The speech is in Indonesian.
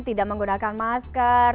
tidak menggunakan masker